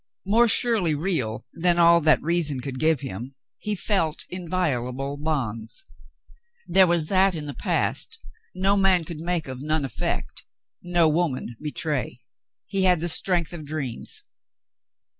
More surely real than all that reason could give him he felt inviolable bonds. There was that in the past no man could make of none effect, no woman betray. He had the strength of dreams.